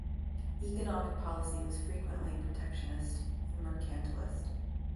Economic policy was frequently protectionist and mercantilist.